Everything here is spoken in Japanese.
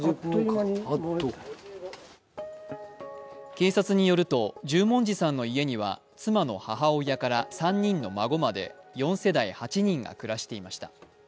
警察によると十文字さんの家には妻の母親から３人の孫まで４世代８人が暮らしていました。